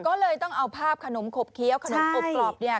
ก็เลยต้องเอาภาพขนมขบเคี้ยวขนมอบกรอบเนี่ย